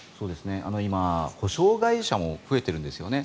今、保証会社も増えているんですよね。